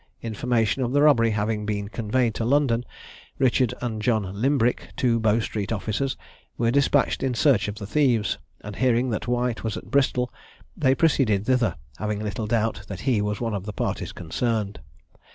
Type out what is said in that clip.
Information of the robbery having been conveyed to London, Richard and John Limbrick, two Bow street officers, were despatched in search of the thieves; and hearing that White was at Bristol, they proceeded thither, having little doubt that he was one of the parties concerned.